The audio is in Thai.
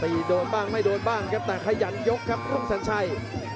โดนบ้างไม่โดนบ้างครับแต่ขยันยกครับน้องสัญชัย